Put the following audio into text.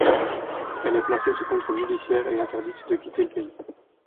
Elle est placée sous contrôle judiciaire et interdite de quitter le pays.